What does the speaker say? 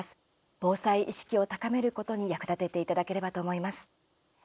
防災意識を高めることに役立てていただければと思います。